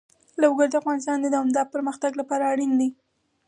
لوگر د افغانستان د دوامداره پرمختګ لپاره اړین دي.